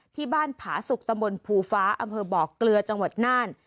ที่บ้านผาสุกตำบลภูฟ้าอำเภอบอกเกลือจังหวัดน่าน